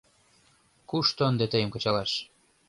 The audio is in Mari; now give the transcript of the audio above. Кушто ынде тыйым кычалаш?..